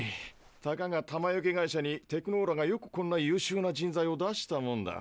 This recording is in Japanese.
たかが弾よけ会社にテクノーラがよくこんな優秀な人材を出したもんだ。